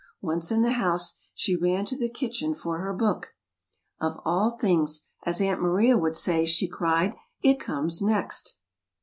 Once in the house, she ran to the kitchen for her book. "Of all things! As Aunt Maria would say," she cried, "it comes next!"